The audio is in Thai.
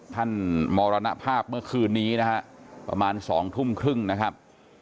มรณภาพเมื่อคืนนี้นะฮะประมาณ๒ทุ่มครึ่งนะครับ